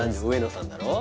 植野さん